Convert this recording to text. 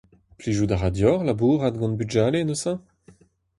Plijout a ra deoc'h labourat gant bugale neuze ?